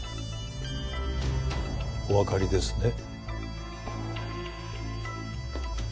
おわかりですね？